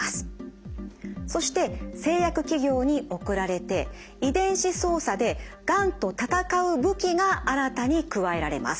そして製薬企業に送られて遺伝子操作でがんと戦う武器が新たに加えられます。